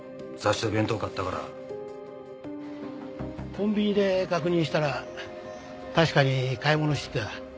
コンビニで確認したら確かに買い物してた。